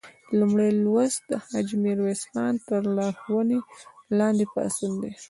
لومړی لوست د حاجي میرویس خان تر لارښوونې لاندې پاڅون دی.